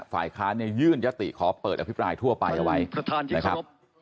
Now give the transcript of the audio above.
ฝ่ายค้านเนี่ยยื่นยติขอเปิดอภิปรายทั่วไปเอาไว้นะครับ